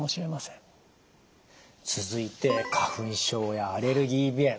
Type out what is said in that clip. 続いて花粉症やアレルギー鼻炎。